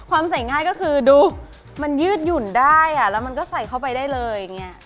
ความใส่ง่ายก็คือดูมันยืดหยุ่นได้แล้วมันก็ใส่เข้าไปได้เลย